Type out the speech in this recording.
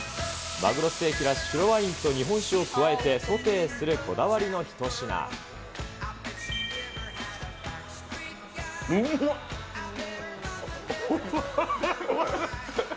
マグロステーキは白ワインと日本酒を加えてソテーする、こだわりうっま！